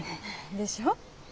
でしょ？